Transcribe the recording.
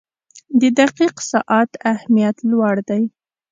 • د دقیق ساعت اهمیت لوړ دی.